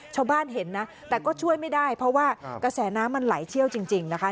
ชาวบ้านเห็นนะแต่ก็ช่วยไม่ได้เพราะว่ากระแสน้ำมันไหลเชี่ยวจริงนะคะ